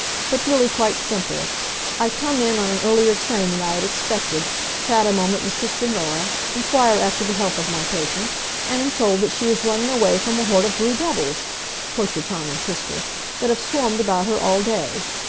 "But really quite simple. I come in on an earlier train than I had expected, chat a moment with sister Norah, inquire after the health of my patient, and am told that she is running away from a horde of blue devils! quote your charming sister that have swarmed about her all day.